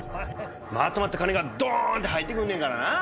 まとまった金がドーンと入ってくんねんからな。